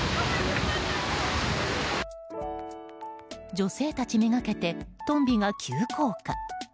女性たちめがけてトンビが急降下。